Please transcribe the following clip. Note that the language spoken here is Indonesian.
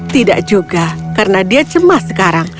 tidak juga karena dia cemas sekarang